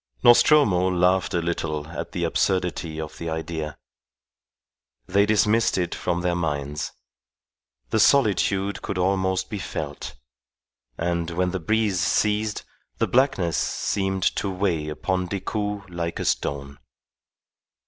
Nostromo laughed a little at the absurdity of the idea. They dismissed it from their minds. The solitude could almost be felt. And when the breeze ceased, the blackness seemed to weigh upon Decoud like a stone.